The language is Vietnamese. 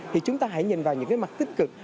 thì chúng ta hãy nhìn vào những cái mặt tích cực